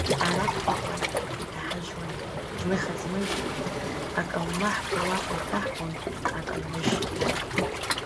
Араԥ ҟәаҟәан, иҭаҳажьуан, зных аӡмыжь, акалмаҳқәа уаҟа иҭаҳгон, акы нмыжь.